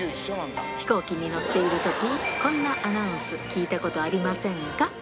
飛行機に乗っているとき、こんなアナウンス、聞いたことありませんか？